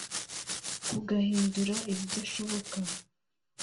kugahindura ibidashoboka